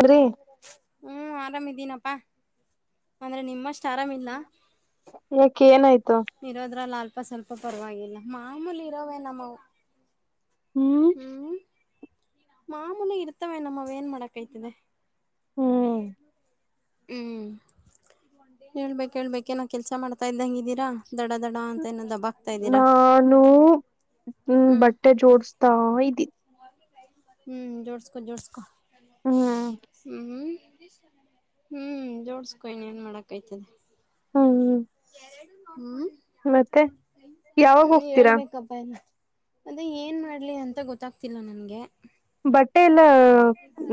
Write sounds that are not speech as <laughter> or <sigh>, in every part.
ಅದ್ರಿ ಆರಮ ಇದೀರಿ ಏನ ಹ್ಮ್ ಆರಾಮಿದೀನಪ್ಪಾ ಅಂದ್ರೆ ನಿಮ್ಮಷ್ಟ. ಯಾಕೆ ಏನಾಯ್ತು. ಇರೋದ್ರಲ್ಲಿ ಅಲ್ಪ ಸ್ವಲ್ಪ ಪರವಾಗಿಲ್ಲ ಮಾಮೂಲಿ ಇರೋವೇ ನಾಮವು. ಹ್ಮ್. ಮಾಮೂಲಿ ಇರ್ತವೆ ನಮ್ಮವೂ ಏನ ಮಾಡಕ ಆಯ್ತದೆ. ಹ್ಮ್ ಹೇಳಬೇಕು ಹೇಳಬೇಕು ಏನು ಕೆಲಸ ಮಾಡ. ಆಕ್ತಾ ಇದ್ದಂಗಿದ್ದೀರಾ ದಡ ದಡ ಅಂತ ಏನ ದಬ್ ಆಕ್ತಾ ಇದ್ದೀರಾ ನಾನು ಹ್ಮ್ ಬಟ್ಟೆ ಜೋಡಸತ್ತ ಇದೀನಿ. ಹ್ಮ್ ಜೋಡಸಗೋ ಜೋಡಸಗೋ ಹ್ಮ್ ಹ್ಮ್ಮ್ ಹ್ಮ್ಮ್. ಹ್ಮ್ ಜೋಡಸಕೊ ಇನೆನ್ ಮಾಡಕಾಯ್ತದೆ. ಹ್ಮ್ಮ. ಯಾವಾಗ ಹೋಗ್ತೀರಾ <unintelligible> ಅದೇ ಏನ್ ಮಾಡ್ಲಿ ಅಂತ ಗೊತ್ತಾಗ್ತಿಲ್ಲ ನನ್ಗೆ. ಬಟ್ಟೆ ಎಲ್ಲಾ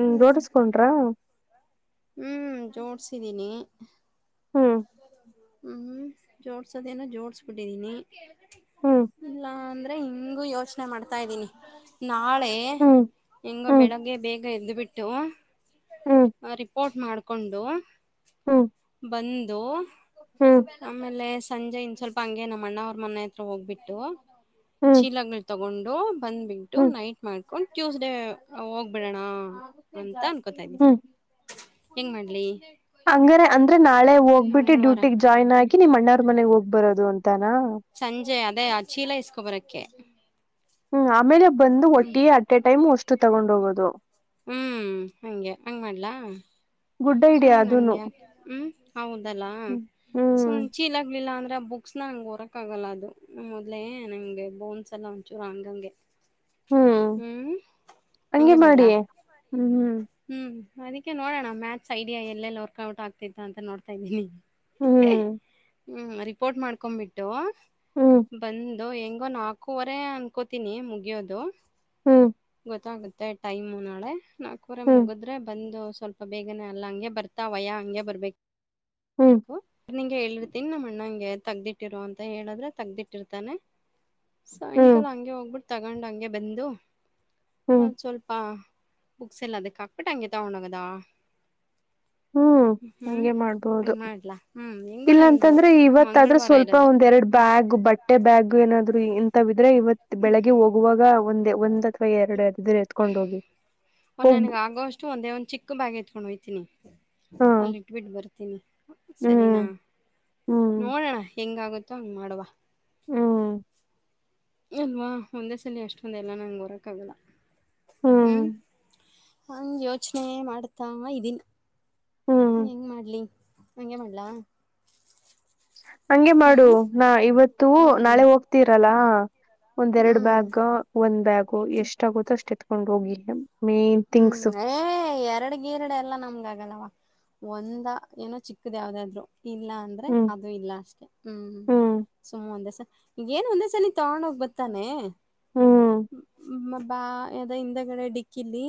ಹ್ಮ್ ಜೋಡಸಕೊಂಡ್ರಾ. ಹ್ಮ್ ಜೋಡ್ಸಿದ್ದೀನಿ. ಹ್ಮ್ ಹ್ಮ್ ಜೋಡ್ಸೋದ ಏನೋ ಜೋಡಿಸಿ ಬಿಟಿದೀನಿ. ಹ್ಮ್ ಇಲ್ಲಾ ಅಂದ್ರೆ ಹಿಂಗು ಯೋಚನೆ. ಊಟ ಮಾಡುತ್ತಾ ಇದೀನಿ ನಾಳೆ ಹ್ಮ್ ಹೆಂಗೋ ಹ್ಮ್ ಬೆಳಗ್ಗೆ ಬೇಗ ಎದ್ದ್ಬಿಟ್ಟು. ಹ್ಮ್ ರಿಪೋರ್ಟ್ ಮಾಡ್ಕೊಂಡು ಹ್ಮ್ ಬಂದು. ಹ್ಮ್ ಆಮೇಲೆ ಸಂಜೆ ಇನ್ ಸ್ವಲ್ಪ ಹಂಗೆ ನಮ್ಮ ಅಣ್ಣ ಅವ್ರ ಮನೆ ಹತ್ರ ಹೋಗ್ಬಿಟ್ಟು. ಹ್ಮ್ ಹ್ಮ್ ಚೀಲಗಳು ತಗೊಂಡು ಬಂದ್ಬಿಟ್ಟು ಹ್ಮ್ ನೈಟ್ ಮಾಡ್ಕೊಂಡು ಟ್ಯೂಸ್ಡೆ ಹೋಗ. ಬಿಡೋಣ ಅಂತ ಅನ್ಕೋತಾ ಇದ್ದನಿ ಹೆಂಗ್ ಮಾಡ್ಲಿ. ಹಂಗರೆ ಅಂದ್ರೆ ನಾಳೆ ಹೋಗ್ಬಿಟ್ಟು ಮಂಗಳವಾರ ಡ್ಯೂಟಿಗ್ ಜಾಯ್ನ್ ಹ್ಮ್ ಆಗಿ ನಿಮ್ಮ ಅಣ್ಣರ ಮನೆಗ ಹೋಗ ಬರೋದು ಅಂತ. ಸಂಜೆ ಅದೇ ಆ ಚೀಲ ಇಸಕೊಂಡು ಬರೋಕ್ಕೆ. ಹ್ಮ್ ಆಮೇಲೆ ಬಂದು ಅಟ್ಟೆ ಟೈಮ್ ಅಷ್ಟು ತಗೊಂಡ್ ಹೋಗೋದು. ಹ್ಮ್ ಅಂಗೆ ಹಂಗ ಮಾಡ್ಲಾ ಗುಡ್ ಐಡಿಯಾ ಹ್ಮ್ ಅದನು ನಂಗೆ ಹ್ಮ್. ಹೌದಲ್ಲಾ ಹ್ಮ್ ಸುಮ್ ಹ್ಮ್ ಚೀಲ ಗ್ಲಿಲ್ಲ ಅಂದ್ರೆ. ಬುಕ್ಸ್ ನ ಹಂಗ ಹೊರಕ ಆಗಲ್ಲ ಅದು ಮೊದಲೇ ನಂಗೆ ಬೌನ್ಸ್ ಎಲ್ಲ ಒಂಚೂರ ಹಂಗಂಗೆ. ಹ್ಮ್ ಹಂಗೆ ಮಾಡಿ ಹ್ಮ್ ಹ್ಮ್. ಹ್ಮ್ ಅದಕ್ಕೆ ನೋಡೋಣ ಮ್ಯಾತ್ಸ್ ಐಡಿಯಾ ಎಲ್ಲೆಲ್ಲಿ ವರ್ಕ್ಔಟ್ ಆಗ್ತಿತ್ತು ಅಂತ ನೋಡ್ತಾ ಇದ್ದೀನಿ. ಹ್ಮ್ ಹ್ಮ ರಿಪೋರ್ಟ್ ಮಾಡ್ಕೊಂಡ್ ಬಿಟ್ಟು ಹ್ಮ್ ಬಂದ್ ದ್ ಹೆಂಗೋ ನಾಲ್ಕೂವರೆ ಅನ್ಕೋತೀನಿ ಮುಗಿಯೋದು? ಹ್ಮ್ ಮತ್ತೆ ಟೈಮ್ ನಾಳೆ ನಾಲ್ಕೂವರೆ ಹ್ಮ್ ಮುಗಿದ್ರೆ ಬಂದು ಸ್ವಲ್ಪ ಬೇಗ್ ಅಲ್ಲ ಹಂಗೆ ಬರ್ತಾ ಅವಯ್ಯ ಹಂಗೆ ಬರ್ಬೇಕು ಹ್ಮ್ ನಿಂಗೆ ಹೇಳಿರ್ತೀನಿ ನಮ್ಮ್ ಅಣ್ಣಾಗೆ ತಗದುಟ್ಟಿರು ಅಂತ ಹೇಳಿದ್ರೆ ತಗದಿಟ್ಟಿರ್ತಾನೆ ಹ್ಮ್ ಸಾಯಂಕಾಲ ಹಂಗೆ ಹೋಗ್ಬಿಟ್ಟ ತಗೊಂಡ ಹಂಗೆ ಬಂದು ಹ್ಮ್ ಸ್ವಲ್ಪ ಬುಕ್ಸ್ ಎಲ್ಲಾ ಅದಕ್ಕೆ ಹಾಕ್ ಬಿಟ್ ಅಂಗೆ ತಗೊಂಡ್ ಹೋಗದಾ ಹ್ಮ್ ಅಂಗೆ ಮಾಡ್ಬೋದು ಹಂಗೆ ಮಾಡ್ಲಾ ಹ್ಞೂ ಹೆಂಗೋ ನಂದು ಇಲ್ಲಾಂತಂದ್ರೆ ಇವತ್ತಾದ್ರೂ ಮಂಗಳವಾರ ಸ್ವಲ್ಪ ಇರೋದು ಒಂದ್ ಎರಡು ಹ್ಞೂ ಬ್ಯಾಗ್ ಬಟ್ಟೆ ಬ್ಯಾಗ್ ಏನಾದ್ರೂ ಇಂತವಿದ್ರೆ ಇವತ್ ಬೆಳಿಗ್ಗೆ ಹೋಗುವಾಗ ಒಂದ ಒಂದ್ ಅಥವಾ ಎರಡು ಅದಿದ್ರೆ ಎತ್ಕೊಂಡ್ ಹೋಗಿ ಓ ಹೋಗ್ಬ ನನಗ್ ಆಗೋಷ್ಟು ಒಂದೇ ಒಂದು ಚಿಕ್ಕ ಬ್ಯಾಗ ಎತ್ಕೊಂಡ್ ಹೋಯ್ತೀನಿ ಹಾ ಅಲ್ಲಿ ಇಟ್ಬಿಟ್ಟು ಬರ್ತೀನಿ ಸರಿನಾ ಹ್ಮ್ ಹ್ಮ್ ನೋಡೋಣ ಹೆಂಗ್ ಆಗುತ್ ತೋ ಅಂಗ್ ಮಾಡುವ ಹ್ಮ್ ಅಲ್ವಾ ಒಂದೇ ಸಲಿ ಅಷ್ಟೊಂದ್ ಎಲ್ಲಾ ನಂಗ್ ಹೊರಕ್ ಆಗಲ್ಲ ಹ್ಮ್ ಹಂಗ್ ಯೋಚನೆ ಮಾಡ್ತಾ ಇದ್ದೀನಿ. ಹ್ಮ್ ಏನ್ ಮಾಡ್ಲಿ ಹಂಗೆ ಮಾಡ್ಲಾ ಹಂಗೆ ಮಾಡು ನಾ ಇವತ್ತು ಹ್ಞೂ ನಾಳೆ ಹೋಗ್ತಿರಲ್ಲ ಒಂದ್ ಹ್ಞೂ ಎರಡು ಬ್ಯಾಗ ಒಂದ್ ಬ್ಯಾಗ್ ಎಷ್ಟ್ ಆಗುತ್ತೋ ಅಷ್ಟ್ ಎತ್ಕೊಂಡ್ ಹೋಗಿ ಮ್ ಹ್ಮ್ ಏ ಎರಡು ಗಿರಡೆ ಎಲ್ಲಾ ನಮ್ಗಾ ಆ ಆಗಲವ ಒಂದ ಏನೋ ಚಿಕ್ಕದ್ ಯಾವದಾದ್ರು ಇಲ್ಲ ಅಂದ್ರೆ ಹ್ಮ್ ಅದು ಇಲ್ಲ ಅಷ್ಟೇ ಹ್ಮ್ ಸುಮ್ ಒಂದೆ ಸಲಿ ಏನೂ ಒಂದೇ ಸಲಿ ತಗೊಂಡ ಹೋಗ್ಬತಾನೆ ಹ್ಮ್ ಬಾ ಅದೇ ಹಿಂದಗಡೆ ಡಿಕ್ಕಿಲ್ಲಿ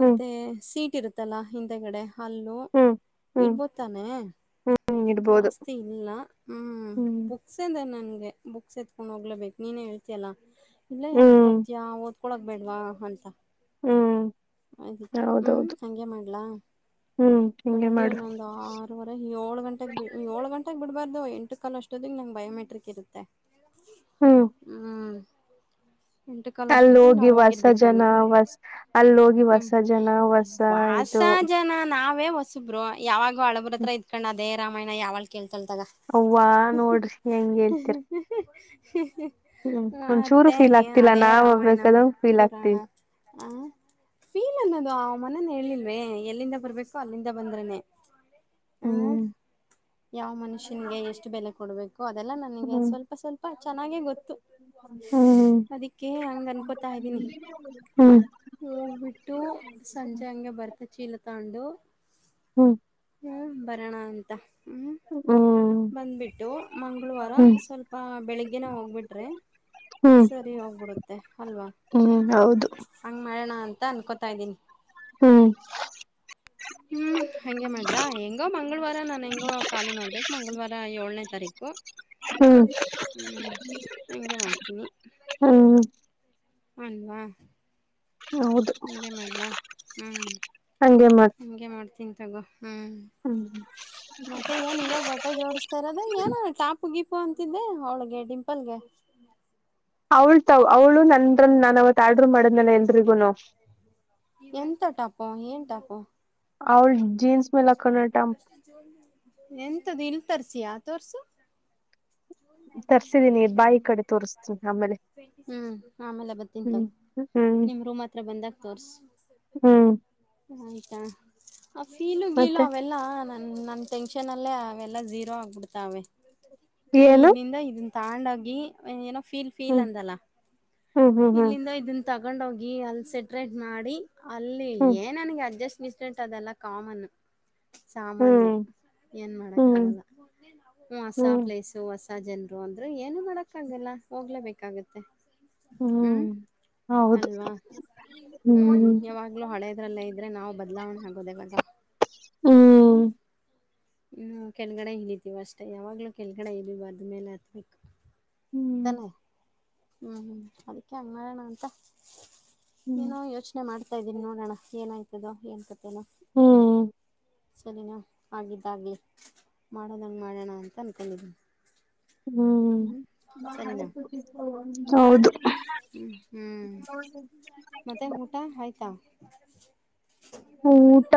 ಹ್ಮ್ ಸೀಟ್ ಇರುತ್ತಲ್ಲಾ ಹಿಂದೆಗಡೆ ಅಲ್ಲು ಹ್ಮ್ ಹ್ಮ್ ಇಡ್ಬೋದು ತಾನೇ ಹ್ಮ್ ಇಡ್ಬೋದು ಜಾಸ್ತಿ ಇಲ್ಲ ಹ್ಮ ಹ್ಮ್ ಬುಕ್ಸ್ ಅದೆ ನನ್ ಬುಕ್ಸ್ ಎತ್ಕೊಂಡ್ ಹೋಗ್ಲೇಬೇಕು ನೀನೆ ಹೇಳ್ತಿಯಲ್ಲ ಇಲ್ಲೆ ಯಾಕ್ ಬಿಟ್ಟ ಹ್ಮ್ ಹೋಗ್ತಿಯಾ ಓದ್ ಕಳೋಗಬೇಡವಾ ಅಂತ ಹ್ಮ್ ಅದಕ್ಕೆ ಹ್ಮ್ ಹೌದೌದು ಹಂಗೆ ಮಾಡಲ್ಲ ಹ್ಮ್ ಹಿಂಗೆ ಬೆಳಗ್ಗೆ ಮಾಡು ಇನ್ನೊಂದು ಆರೂವರೆ ಏಳು ಗಂಟೆಗೆ ಬಿಳ್ ಏಳು ಗಂಟೆಗೆ ಬಿಡ್ಬಾರ್ದ್ ಮ ಎಂಟು ಕಾಲ ಅಷ್ಟೊಂತ್ತಿಗೆ ನಂಗೆ ಬಯೋಮೆಟ್ರಿಕ್ ಇರುತ್ತೆ ಹ್ಮ್ ಹ್ಮ್ ಹ್ಮ <unintelligible> ಅಲ್ಲಿ ಹೋಗಿ ಹೊಸ ಜನ ಹೊಸ ಅಲ್ಲಿ ಹೋಗಿ ಹೊಸ ಹ್ಮ್ ಜನ ಹೊಸ ವಾಸ ಇದು ಜನ ನಾವೇ ಹೊಸಬ್ರು ಯಾವಾಗ ಹಳಬ್ರೂ ಇದ್ಕೊಂಡ್ ಅದೇ ರಾಮಾಯಣ ಯಾವಳ್ ಕೇಳ್ ತಗ ಅವ್ವ ನೋಡ್ರಿ ಹೆಂಗ್ ಹುಂ ಹೇಳ್ತೀರ ಹುಂ ಹಿ ಹಿ ಹ್ಮ್ ಒಂದ್ ಚೂರು ಫೀಲ್ ಆಗ್ತಿಲ್ಲ ನಾವ್ ಹೋಗ್ಬೇಕದ್ ಫೀಲ್ ಆಗ್ತಿವಿ ಹ ಫೀಲ್ ಅನ್ನೋದು ಅ ಮೊನ್ನೆನೆ ಹೇಳಿಲ್ವೆ ಎಲ್ಲಿಂದ ಬರಬೇಕು ಅಲ್ಲಿಂದ ಬಂದ್ರನೆ ಆ ಹ್ಮ್ ಯಾವ ಮನುಷ್ಯನ್ಗೆ ಎಷ್ಟು ಬೆಲೆ ಕೊಡ್ಬೇಕು ಅದೆಲ್ಲಾ ನನಗೆ ಸ್ವಲ್ಪ ಸ್ವಲ್ಪ ಚೆನ್ನಾಗೆ ಗೊತ್ತು. ಅದಕ್ಕೆ ಹಂಗ್ ಅನ್ಕೋತಾ ಇದ್ದೀನಿ. ಹೋಗ್ಬಿಟ್ಟು ಸಂಜೆ ಹಂಗೆ ಬರ್ತ ಚೀಲ ತಗೊಂಡು ಹ್ಮ್ ಹ್ಮ್ ಬರಣ ಅಂತ ಹ್ಮ್ ಹ್ಮ ಬಂದ್ಬಿಟ್ಟು ಮಂಗಳವಾರ ಸ್ವಲ್ಪ ಬೆಳಿಗ್ಗೆನೆ ಹೋಗ್ಬಿಟ್ರಿ ಹ್ಮ್ ಸರಿ ಹೋಗ್ಬಿಡುತ್ತೆ ಅಲ್ವಾ ಹ್ಮ್ ಹೌದು ಮಾಡಣ ಅಂತ ಅನ್ಕೋತಾ ಇದ್ದೀನಿ. ಹ್ಮ್. ಹ್ಮ್. ಹಂಗೆ ಮಾಡ್ಲಾ ಹೆಂಗೋ ಮಂಗಳವಾರ ನಾನು ಹೆಂಗೋ ಖಾಲಿ ಮಾಡ್ಬೇಕು ಮಂಗಳವಾರ ಏಳನೇ ತಾರೀಕು ಹ್ಮ್ ಹ್ಮ ಹಂಗೆ ಮಾಡ್ತೀನಿ ಹ್ಮ್ ಅಲ್ವಾ ಹೌದು ಹಂಗೆ ಮಾಡ್ಲಾ ಹ್ಮ್ ಹಂಗೆ ಮತ್ತೆ ಹಂಗೆ ಮಾಡ್ತೀನಿ ತಗೋ ಹ್ಮ್ ಮತ್ತೆ ಏನ್ ಇವಾಗ ಬಟ್ಟೆ ಜೋಡಿಸ್ತಾ ಇರೋದ ಏನ್ ಟಾಪ ಗಿಪ್ ದೀಪು ಅಂತಿದ್ದೆ ಅವಳಗೆ ಡಿಂಪಲ್ಗೆ ಅವಳ ತಾವ ಅವ್ಳು ನಂದ ನಾನ ಅವತ್ ಆಡ್ <unintelligible> ಮಾಡಿದ್ನಲ್ಲ ಎಲ್ರಿಗುನು ಎಂತ ಟಾಪು ಅವ್ಳ <unintelligible> <unintelligible> ಎಂತ್ದು ಇಲ್ ತರ್ಸಿಯಾ ತೋರ್ಸು ಹ್ಮ <unintelligible> ತರ್ಸಿದೀನಿ ಬಾಯಿ ಕಡೆ ತೋರ್ಸ್ತೀನಿ ಆಮೇಲೆ ಹ್ಮ್ ಆಮೇಲೆ ಬತ್ತೀನಿ ತಗೋ ಹ್ಮ್ ಹ್ಮ್ ನಿಮ್ ರೂಮ್ ಹತ್ರ ಬಂದಾಗ ತೋರ್ಸು ಹ್ಮ್ <unintelligible> ಆಯ್ತಾ ಆ ಫಿಲು ಗೀಲು ಮತ್ತೆ ಅವೆಲ್ಲಾ ನಮ ಟೆನ್ಷನ್ ಅಲ್ಲೇ ಅವೆಲ್ಲ ಜೀರೋ ಆಗ್ಬಿಡ್ತಾವೆ ಏನು ಇಲ್ಲಿಂದ ಇದ ತಾಂಡೋಗಿ ನೀನ್ ಏನೋ ಫೀಲ್ ಫೀಲ್ ಹ್ಮ್ ಅಂದಲ್ಲ ಹ್ಮ್ ಹ್ಮ್ ಇಲ್ಲಿಂದ ಇದ ತಗೊಂಡೋಗಿ ಅಲ್ಲಿ ಸೆಪ್ರೆಟ್ ಮಾಡಿ ಅಲ್ಲಿ ಹ್ಮ್ ಏನ್ ನನಗೆ ಅಡ್ಜಸ್ಟ್ ಮಿಸೆಂಟ್ ಅದೆಲ್ಲ ಕಾಮನ್ ಸಾಮಾನ್ಯ ಹ್ಮ್ ಏನ್ ಮಾಡಕ್ಕ ಹ್ಮ್ ಆಗಲ್ಲ ಹ್ಮ್ ಹಸ <unintelligible> ಯಸು ಹೊಸ ಜನ್ರು ಅಂದ್ರು ಏನು ಮಾಡಕ್ಕ ಆಗಲ್ಲ ಹೋಗ್ಲೇಬೇಕಾಗತ್ತೆ ಹ್ಮ್ ಹೌದು ಅಲ್ವಾ ಹ್ಮ್ ಇದ್ರಲ್ಲೇ ಇದ್ದರೆ ನಾವು ಬದಲಾವಣೆ ಆಗೋದು ಯಾವಾಗ ಹ್ಞ ಹ್ಮ್ ಹ್ಮ ಕೆಳಗಡೆ ಇಳಿತೀವ ಅಷ್ಟೇ ಯಾವಾಗ್ಲೂ ಕೆಳಗಡೆ ಇಳಿಬಾರ್ದು ಮೇಲೆ ಹತ್ಬೇಕು ಹ್ಮ್ ತಾನೆ ಹ್ಮ್ ಹ್ಮ್ ಅದಕ್ಕೆ ಹಂಗಡಣ ಅಂತ ಹ್ಮ್ ಏನೋ ಯೋಚನೆ ಮಾಡ್ತಾ ಇದ್ದೀನಿ ನೋಡೋಣ ಏನಾಯ್ತದೋ ಏನ್ ಕತೆೇನೋ ಹ್ಮ್ ಸರಿನಾ ಆಗಿದ್ದಾಗ್ಲಿ ಮಾಡೋದಂಗೆ ಮಾಡೋಣ ಅಂತ ಅನ್ಕೊಂಡಿದನಿ ಹ್ಮ್ ಸರಿನಾ <unintelligible> ಹೌದು <unintelligible> ಮತ್ತೆ ಊಟ ಆಯ್ತಾ <unintelligible> <unintelligible> ಊಟ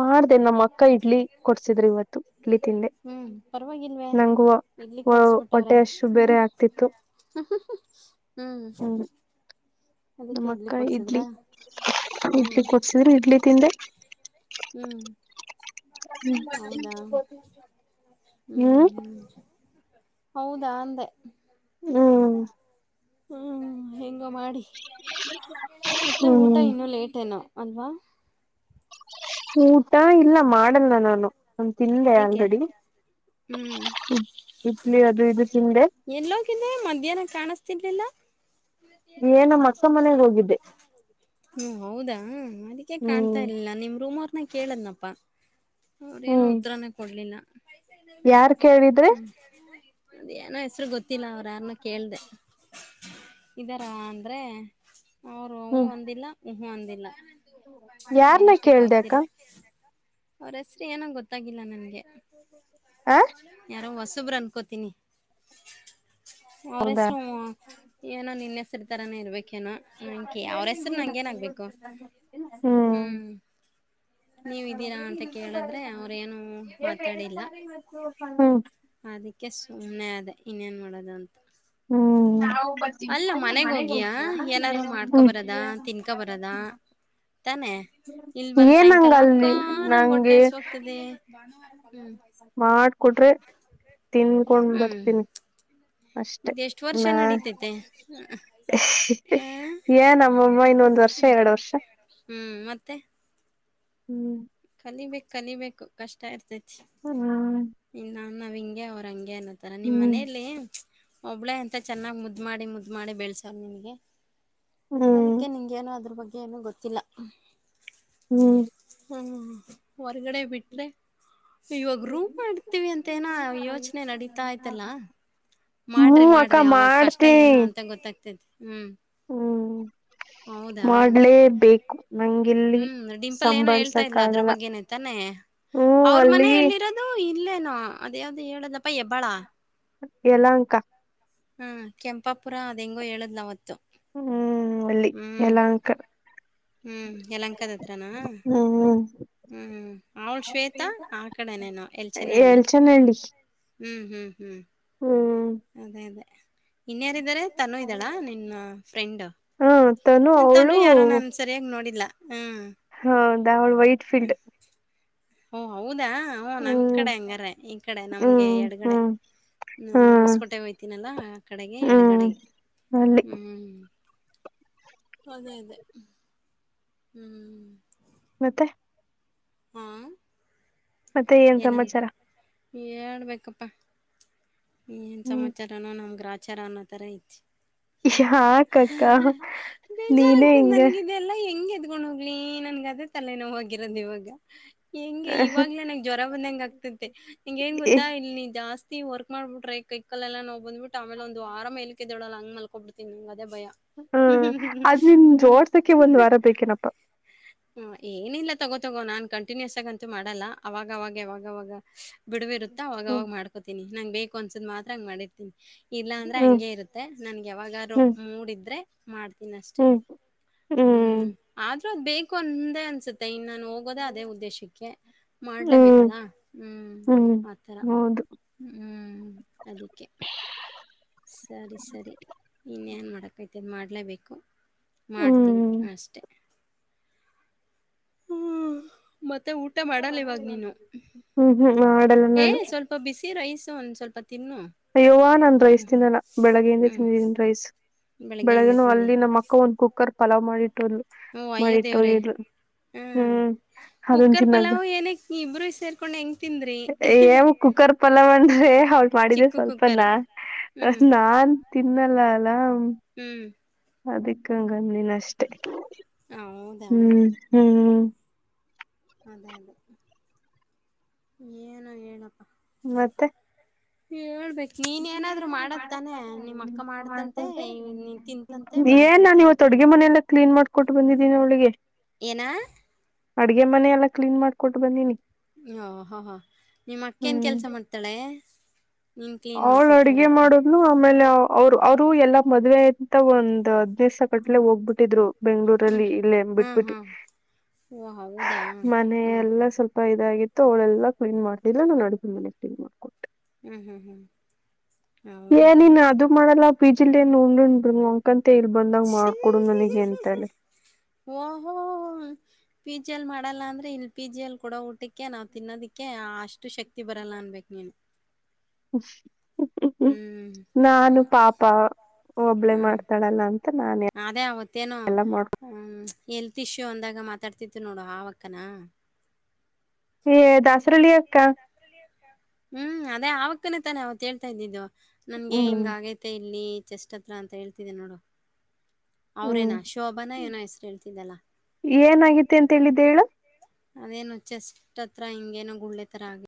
ಮಾಡ್ದ ನಮ್ಮ ಅಕ್ಕ ಇಡ್ಲಿ ಕೊಡ್ಸಿದ್ರು ಇವತ್ತು ಇಡ್ಲಿ ತಿಂದೆ ಹ್ಮ್ ಪರವಾಗಿಲ್ವೇ ನಂಗು ಇಲ್ಲಿ ಕೊಡಸ್ಬಿಟ್ಟವ್ರೆ ಹೊಟ್ಟೆ ಅಷ್ಟು ಬೇರೆ <unintelligible> ಆಗ್ತಿತ್ತು ಹ್ಮ್ ನಮ್ಮ ಅಕ್ಕ ಇಡ್ಲಿ ಇಡ್ಲಿ ಕೊಡ್ಸಿದ್ರ ಇಡ್ಲಿ ತಿಂದೆ ಹ್ಮ್ <unintelligible> <unintelligible> ಹ್ಞೂ ಹ್ಮ್ ಹ್ಞೂ ಹೌದಾ ಅಂದೆ ಹ್ಮ್ ಹ್ಮ್ ಹೆಂಗ ಮಾಡಿ ಮತ್ತೆ ಊಟ ಹ್ಮ್ ಇನ್ನುೂ ಲೇಟ ಏನು ಅಲ್ವಾ ಊಟ ಇಲ್ಲ ಮಾಡಲ್ಲ ನಾನು ನಾನ್ ತಿಂದೆ ಏಕೆ ಆಲ್ರೆಡಿ ಹ್ಮ್ <unintelligible> ಇಡ್ಲಿ ಅದು ಇದು ತಿಂದೆ ಎಲ್ಲೋಗಿದ್ದೆ ಮಧ್ಯಾಹ್ನ ಕಾಣಸ್ತಿರ್ಲಿಲ್ಲ ಏನ ಮಸ ಮನೆಗ್ ಹೋಗಿದ್ದೆ ಹ್ಮ ಹೌದಾ ಅದಕ್ಕೆೇ ಹ್ಮ್ ಕಾಣ್ತಾ ಇಲಿಲ್ಲ ನಿಮ್ ರೂಮ್ ಅವರ್ನ ಕೇಳದ್ನಪ್ಪಾ ಅವ್ರೇನು ಹ್ಮ್ ಉತ್ತರಾನೇ ಕೊಡ್ಲಿಲ್ಲ ಯಾರ್ ಕೇಳಿದ್ರಿ ಅದ ಏನೋ ಹೆಸರು ಗೊತ್ತಿಲ್ಲ ಅವ್ರ ಯಾರನ್ನ ಕೇಳ್ದ ಇದಾರ ಅಂದ್ರೆ ಅವರು ಹು ಹ್ಮ್ ಅಂದಿಲ್ಲ ಊಹೂ ಅಂದಿಲ್ಲ ಯಾರ್ನ ಅವರಷ್ಟಕ್ಕೆ ಅವ್ರ ಕೇಳಿದೆ ಅಕ್ಕ ತಿರ್ಗ ಅವ್ರ ಹೆಸ್ರ ಏನೋ ಗೊತ್ತಾಗಿಲ್ಲ ನನ್ಗೆ ಆ ಯಾರೋ ಹೊಸ ಹೊಸಬರು ಅನ್ಕೊಂತೀನಿ ಅವ್ರ ಹೌದಾ ಹೆಸರು ಏನೋ ನಿನ್ನೆ ಹೆಸರು ತರಾನೇ ಇರ್ಬೇಕು ಏನೋ ಅವ್ರ ಹೆಸರು ನಂಗೆ ಏನಾಗಬೇಕು ಹ್ಮ್ ನೀವಿದ್ದೀರಾ ಅಂತ ಕೇಳಿದ್ರೆ ಅವ್ರೇನು ಮಾತಾಡಿಲ್ಲ ಅದಕ್ಕೆ ಸುಮ್ಮನೆ ಅದೇ ಇನ್ನೇನ್ ಮಾಡೋದು ಅಂತ ಹ್ಮ್ ಅಲ್ಲ ಹ್ಮ್ ಮನೆಗ್ ಹೋಗಿಯಾ ಏನಾರು ಮಾಡ್ಕೊ ಬರದ ತಿನ್ಕೊ ಬರದ ತಾನೆ ಇಲ್ ಬಂದ್ ಏನಂಗ ಸಾಯಂಕಾಲ ಅಕ್ಕ ಅಲ್ಲಿ ನಂಗೆ ಹೊಟ್ಟೆ ಹಸಿವಾಗ್ತಿದೆ <unintelligible> ಕೊಟ್ರೆ ತಿನ್ಕೊಂಡ ಬರ್ತೀನಿ ಅಷ್ಟೆ ಇದು ಎಷ್ಟು ವರ್ಷ ನೆಡಿತೈತೆ ಏನಮಮ್ಮೋ ಇನ್ನೊಂದ್ ವರ್ಷ ಎರಡು ವರ್ಷ ಹ್ಮ್ ಮತ್ತೆ ಹ್ಮ್ ನಿಮಗೆ ಕಲಿಬೇಕು ಕಷ್ಟ ಇರ್ತೇತಿ ಹ್ಮ್ ನಾವ್ ಹಿಂಗೆ ಅವ್ರ ಹಂಗೆ ಅನ್ನೋತರ ನಿಮ್ ಹ್ಮ್ ಮನೇಲಿ ಒಬ್ಬಳೇ ಅಂತ ಚೆನ್ನಾಗ್ ಮುದ್ ಮಾಡಿ ಮುದ್ ಮಾಡಿ ಬೆಳಸವ್ರೆ ನಿನಗೆ ಹ್ಮ್ ಅದಕ್ಕೆ ನಿಂಗೇನೋ ಅದ್ರ ಬಗ್ಗೆ ಏನೂ ಗೊತ್ತಿಲ್ಲ ಹ್ಮ್ ಹ್ಮ್ ಹೊರ್ಗಡೆ ಬಿಟ್ರೆ ಇವಾಗ ರೂಮ್ ಮಾಡ್ತೀವಿ ಅಂತ ಏನ ಯೋಚನೆ ನೆಡಿತಾಯಯ್ತಲ್ಲ ಮಾಡ್ರಿ ಹ್ಮ್ ಅಕ್ಕ ಮಾಡ್ರಿ ಅವಾಗ ಕಷ್ಟ ಏನು ಮಾಡ್ತೀನಿ ಅಂತ ಗೊತ್ತಾಗ್ತೈತಿ ಹ್ಮ್ ಹ್ಮ್ ಹೌದಾ ಮಾಡ್ಲೇಬೇಕು ನಂಗಿಲ್ಲಿ ಹ್ಮ್ ಡಿಂಪಲ್ ಏನು ಹೇಳ್ತಾ ಇದ್ಲು ಅದ್ರ ಸಂಭಾಳ್ಸಕ್ಕಾಗಲ್ಲ ಬಗ್ಗೆನೆ ತಾನೇ ಹ್ಮ್ ಅವ್ರ ಮನೆ ಅಲ್ಲಿ ಎಲ್ಲಿರೋದು ಇಲ್ಲೇನೋ ಅದು ಯಾವ್ದು ಹೇಳದಪ್ಪ ಹೆಬ್ಬಾಳ ಯಲಹಂಕ ಹ್ಮ ಕೆಂಪಾಪುರ ಅದ ಹೆಂಗೋ ಹೇಳುದ್ಲ ಅವತ್ತು ಹ್ಮ್ ಅಲ್ಲಿ ಹ್ಮ್ ಯಲಹಂಕ ಹ್ಮ್ ಯಲಂಕದ ಹತ್ರನಾ ಹ್ಮ್ ಹ್ಮ್ ಅವಳು ಶ್ವೇತಾ ಆ ಕಡೆನೇನು ಎಲ್ಚನಹಳ್ಳಿ ಎಲ್ಚನಹಳ್ಳಿ ಹ್ಮ್ ಹ್ಮ್ ಹ್ಮ್ ಹ್ಮ್ ಅದೇ ಅದೇ ಇನ್ಯಾರೆ ತನು ಇದ್ದಾಳ ನಿನ್ನ ಫ್ರೆಂಡ್ ಹ ತನು ಅವಳು ಯಾರೋ ನನ್ ಸರಿಯಾಗಿ ನೋಡಿಲ್ಲ ಹ್ಮ್ ಹೌದ ಅವಳು ವೈಟ್ ಫೀಲ್ಡ್ ಓ ಹೌದಾ ನಮ್ ಹ್ಮ್ ಕಡೆ ಹಂಗಾರ ಈ ಕಡೆ ನಮ್ಗೆ ಹ್ಮ್ ಎಡ್ಗಡೆ ಹ್ಮ್ ನಾನು ಹ್ಮ್ ಹೊಸ್ಕೋಟೆಗೆ ಹೋಗಯ್ತೀನಲ್ಲ ಆ ಕಡೆಗೆ ಹ್ಮ್ ಎಡಗಡೆಗೆ ಅಲ್ಲಿ ಹ್ಮ್ ಅದೇ ಅದೇ ಹ್ಮ್ ಮತ್ತೆ ಹ್ಮ ಮತ್ತೆ ಏನ್ ಸಮಾಚಾರ ಹೇಳಬೇಕಪ್ಪ ಏನ್ ಹ್ಮ್ ಸಮಾಚಾರನೋ ನಮಗೆ ಗ್ರಹಚಾರ ಅನ್ನೋ ತರ ಐತೆ ಯಾಕಕ್ಕ ನೀನೇ ಬೇಜಾರಾಗ್ತದೆ ಹಿಂಗ ನನ್ಗದೆಲ್ಲಾ ಹೆಂಗ ಗೊಂಡ್ ಹೋಗ್ಲಿ ನನ್ಗ ಅದೇ ತಲೆ ನೋವು ಆಗಿರೋದು ಇವಾಗ ಹೆಂಗೆ ಹ್ಮ್ ಇವಾಗ್ಲೇ ನಂಗೆ ಜ್ವರ ಬಂದಂಗ ಆಗ್ತತೆ ನಿಂಗ ಏನ್ ಗೊತ್ತಾ ಇಲ್ಲಿ ಜಾಸ್ತಿ ವರ್ಕ್ ಮಾಡ್ಬಿಟ್ರೆ ಕೈಕಾಲ್ ಎಲ್ಲಾ ನೋವ್ ಬಂದ್ಬಟ್ ಆಮೇಲ್ ಒಂದು ವಾರ ಮೇಲ್ ಎದೊಳಲ್ಲ ಹಂಗಲ್ಕೊಬಿಡ್ತಿನಿ ಮ- - ಹ್ಮ್ ಅದುನ್ ಹ್ಮ್ ಜೋಡ್ಸಕ್ಕೆ ಒಂದ್ ವಾರ ಬೇಕೇನಪ್ಪಾ. ಹ್ಮ್ ಹ್ಮ ಏನಿಲ್ಲ ತಗೋ ತಗೋ ನಾನ್ ಕಂಟಿನ್ಯೂಸ್ ಆಗಂತೂ ಮಾಡಲ್ಲ ಅವಾಗ ಅವಾಗ ಯಾವಾಗವಾಗ. ಬಿಡ್ವಿರುತ್ತೊ ಅವಾಗ್ ಹ್ಮ್ ಅವಾಗ್ ಮಾಡ್ಕೋತೀನಿ ನಂಗ್ ಬೇಕು ಅನ್ಸುದ್ ಮಾತ್ರ <unintelligible> ಇಲ್ಲ ಅಂದ್ರೆ ಹ್ಮ್ ಹಂಗೆ ಇರುತ್ತೆ ನನ್ಗೆ ಯಾವಾಗಾರು ಹ್ಮ್ ಮೂಡಿದ್ರೆ. ಮಾಡ್ತೀನ್ಅಷ್ಟೇ ಹ್ಮ್ ಹ್ಮ್ ಆದ್ರೂ ಅದು ಬೇಕು ಅಂದೇ ಅನ್ಸುತ್ತೆ. ಮತ್ತೆ ಇನ್ನು ನಾನು ಹೋಗೋದೆ ಅದೇ ಉದ್ದೇಶಕ್ಕೆ ಹ್ಮ್ ಮಾಡ್ಲೇಬೇಕಲ್ಲ ಹ್ಮ್ ಆತರ ಹೌದು ಹ್ಮ್ ಅದಿಕ್ಕೆ ಸರಿ ಸರಿ ಇನ್ನೇನ್ ಮಾಡಕೈತದೆ ಮಾಡ್ಲೆಬೇಕು. ಹ್ಮ್ ಮಾಡ್ತೀನಿ ಅಷ್ಟೆ. ಹ್ಮ್ ಮತ್ತೆ ಊಟ ಮಾಡಲ್ಲ ಇವಾಗ್ ನೀನು ಹ್ಮ್ ಹ್ಮ್ ಮಾಡಲ್ಲ ಏ ನಾನು ಸ್ವಲ್ಪ ಬಿಸಿ ರೈಸು ಒಂದ ಸ್ವಲ್ಪ ತಿನ್ನು ಅಯ್ಯೋವಾ ನಾನ್ ಹ್ಮ್ ರೈಸ್ ತಿನ್ನಲ್ಲ ಬೆಳಗ್ಗೆಯಿಂದ ಹ್ಮ್ ತಿಂದಿದ್ದೀನಿ ರೈಸ್. ಬೆಳಗ್ಗೆಯಿಂದ ಬೆಳಗಿನು ತಿಂದಿ ಅಲ್ಲಿ ನಮ್ಮ ಅಕ್ಕ ಒಂದ್ ಕುಕ್ಕರ್ ಪಲಾವ್ ಮಾಡಿಟ್ಟೋದ್ಲು ಹ್ಞೂ ಅಯ್ಯೋ ದೇವ್ರೇ ಮಾಡಿಟ್ಟೋಗಿದ್ಲು. ಹ್ಮ್ ಅದನ್ ಕುಕ್ಕರ್ ತಿನ್ನಕ್ ಪಲಾವ್ ಏನುಕಿ ಇಬ್ರು ಸೇರ್ಕೊಂಡ್ ಹೆಂಗ ತಿಂದ್ರಿ. ಅವಳ್ ಮಾಡಿದ್ದೆ ಚಿಕ್ಕು ಕುಕ್ಕರು ಸ್ವಲ್ಪನಾ ಹ್ಮ್ ನಾನ್ ತಿನ್ನಲ್ಲಲ. ಹ್ಮ್ ಅದಿಕ್ಕ ಹಂಗನಿನ್ ಅಷ್ಟೆ ಹೌದಾ ಹ್ಮ್ ಹ್ಮ್ ಅದೇ ಅದೇ ಏನು ಹೇಳಪ್ಪ. ಮತ್ತೆ ಹೇಳ್ಬೆ ನೀನ್ ಏನಾದ್ರು ಮಾಡದ್ ತಾನೆ ನಿಮ್ಮ ಅಕ್ಕ ಮಾಡ್ತಂತೆ ನೀನ್ ತಿಂತಂತೆ ಬಂತಂತೆ ಅಂತೆ ಅಡುಗೆ ಮನೆ ಎಲ್ಲ ಕ್ಲೀನ್ ಮಾಡ್ಕೊಟ್ ಬಂದಿದ್ದೀನಿ ಅವ್ಳಿಗೆ. ಏನ ಅಡ್ಗೆ ಮನೆ ಎಲ್ಲ ಕ್ಲೀನ್ ಮಾಡ್ಕೊಟ್ ಬಂದೀನಿ ಅಹಾ ಹ ನಿಮ್ಮ ಅಕ್ಕ್ ಕೆಲ್ಸ ಮಾಡ್ತಾಳೆ. ನೀನ್ ಕ್ಲೀನ್ ಅವ್ಳ ಮಾಡ್ಕೊಟ್ಟು ಅಡ್ಗೆ ಬರಕ್ಕೆ ಮಾಡದ್ನು ಆಮೇಲೆ ಅವ್ರ ಅವ್ರು ಎಲ್ಲಾ ಮದ್ವೆ ಆ ತ್ ಒಂದ ಹದ್ನೈದಿಸಗಟ್ಲೆ ಹೋಗ್ಬಿಟ್ಟಿದ್ರು ಬೆಂಗ್ಳೂರ್ ಹ್ಮ್ ಅಲ್ಲಿ ಇಲ್ಲೆನ್ ಹ್ಮ್ ಬಿಟ್ಬಿಟಿ ಹ್ಮ್ ಓ ಹೌದಾ ಮನೆ ಹ್ಮ್ ಎಲ್ಲ ಸ್ವ ಇದಾಗಿತ್ತು ಅವಳೆಲ್ಲ ಕ್ಲೀನ್ ಮಾಡ್ತಿದ್ಲು ನಾನ್ ಅಡ್ಗೆ ಮನೆ ಕ್ಲೀನ್ ಮಾಡ್ಕೊಟ್ಟೆ. ಹ್ಮ್ ಹ್ಮ್ ಹ್ಮ್ ಏನ ಹೌದಾ ನಿನ್ ಅದು ಮಾಡಲ್ಲ ಪಿಜಿಲ್ ಏನ್ ಉಂಡ್ ಉಂಡ್ ಮಾಲ್ಕೊಂತ್ಯ ಇಲ್ ಬಂದಾಗ ಮಾಡ್ಕೊಡು ನನಿಗೆ <unintelligible> ಓಹೊಹೊ <unintelligible> ಜಿ ಎಲ್ ಮಾಡಲ್ಲ ಅಂದ್ರೆ ಇಲ್ ಪಿ ಜಿ ಎಲ್ ಕೊಡ ಊಟಕ್ಕೆ ನಾವು ತಿನ್ನದಕ್ಕೆ ಅಷ್ಟು ಶಕ್ತಿ ತ್ತಿ ಬರಲ್ಲ ಅನ್ಬೇಕು ನೀನು. ಹಾಹಾ ಹ್ಮ್ ನಾನು ಪಾಪ ಒಬ್ಳೆ ಹ್ಮ್ ಮಾಡ್ತಾಳಲ್ಲ ಅಂ ಅದೇ ಅವತ್ತೇನು ಹ್ಮ ಎಲ್ತ್ ಇಶ್ಯೂ ಅಂದಾಗ ಮ ಮಾತಾಡ್ತಿತ್ತು ನೋಡು ಅವಕ್ಕನಾ ಎ ದಾಸ್ರಳ್ಳಿ ಅಕ್ಕ. ಹ್ಮ್ ಅದೇ ಅವಕ್ಕನೇ ತಾನೆ ಅವತ್ತೇಳ್ತಾ ಇದ್ದಿದ್ದು ನನ್ಗೆ ಹ್ಮ್ ಹಿಂಗ್ಆಗೈತೆ ಇಲ್ಲಿ. ಚೆಸ್ಟ್ ಅಂತ್ರ ಹೇಳ್ತಿದೆ ನೋಡು. ಹ್ಮ್ ಅವ್ರೇನಾ ಶೋಭಾನ ಏನೋ ಹೆಸರು ಹೇಳ್ತಿದ್ದಲ್ಲ ಏನಾಗಿದೆ ಅಂತೇಳಿದ್ದೆ ಹೇಳು. ಅದೇನು ಚೆಸ್ಟ್ ಹತ್ರ ಹಿಂಗೇನು ಗುಳ್ಳೆ ತರ ಆಗಿ